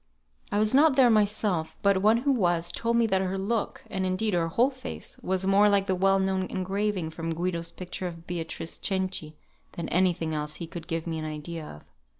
I was not there myself; but one who was, told me that her look, and indeed her whole face, was more like the well known engraving from Guido's picture of "Beatrice Cenci" than any thing else he could give me an idea of.